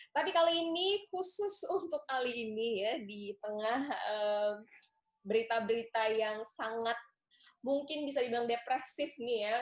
tapi kali ini khusus untuk kali ini ya di tengah berita berita yang sangat mungkin bisa dibilang depresif nih ya